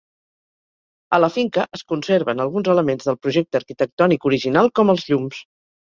A la finca es conserven alguns elements del projecte arquitectònic original com els llums.